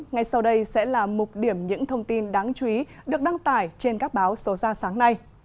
ngay sau đây sẽ là mục điểm những thông tin đáng chú ý được đăng tải trên các báo số ra sáng nay